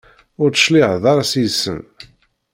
Ur d-tecliɛeḍ ara seg-sen.